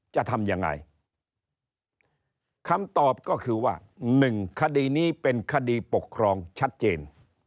จะทำยังไงคำตอบก็คือว่าหนึ่งคดีนี้เป็นคดีปกครองชัดเจน